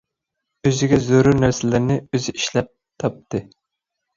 ئۆزىگە زۆرۈر نەرسىلەرنى ئۆزى ئىشلەپ تاپتى.